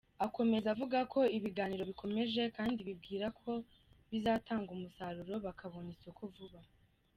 Akomeza avuga ko ibiganiro bikomeje kandi bibwira ko bizatanga umusaruro bakabona isoko vuba.